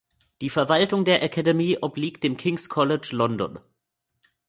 Die Verwaltung der Academy obliegt dem King’s College London.